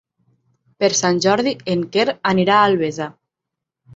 Per Sant Jordi en Quer anirà a Albesa.